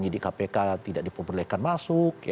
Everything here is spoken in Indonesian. penyidik kpk tidak diperbolehkan masuk